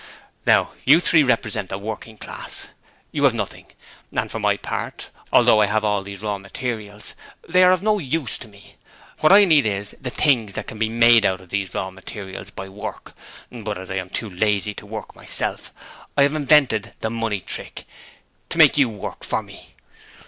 'Now you three represent the Working class: you have nothing and for my part, although I have all these raw materials, they are of no use to me what I need is the things that can be made out of these raw materials by Work: but as I am too lazy to work myself, I have invented the Money Trick to make you work FOR me.